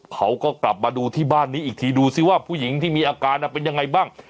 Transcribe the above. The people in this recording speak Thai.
เขาก็กลับมาดูที่บ้านนี้อีกทีดูสิว่าผู้หญิงที่มีอาการเป็นยังไงบ้าง